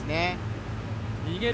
逃げる